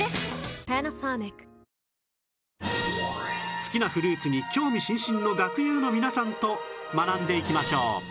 好きなフルーツに興味津々の学友の皆さんと学んでいきましょう